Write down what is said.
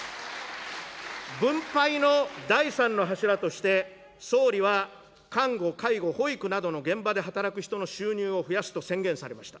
分配の第３の柱として、総理は看護、介護、保育などの現場で働く人の収入を増やすと宣言されました。